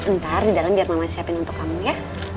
ntar di dalam biar mama siapin untuk kamu ya